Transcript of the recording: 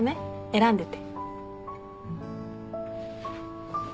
選んでて。